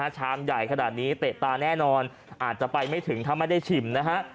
ชามใหญ่ขนาดนี้เตะตาแน่นอนอาจจะไปไม่ถึงถ้าไม่ได้ชิมนะฮะ